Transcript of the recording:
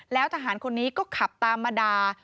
แล้วทหารคนนี้ก็ขับตามมาด่า